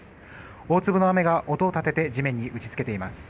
大粒の雨が音を立てて地面に打ち付けています。